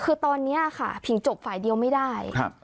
คือตอนนี้ค่ะผิงจบฝ่ายเดียวไม่ได้